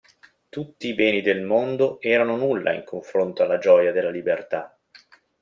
Tutti i beni del mondo erano nulla in confronto alla gioia della libertà.